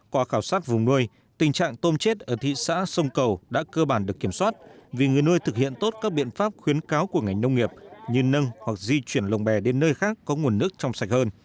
qua khảo sát vùng nuôi tình trạng tôm chết ở thị xã sông cầu đã cơ bản được kiểm soát vì người nuôi thực hiện tốt các biện pháp khuyến cáo của ngành nông nghiệp như nâng hoặc di chuyển lồng bè đến nơi khác có nguồn nước trong sạch hơn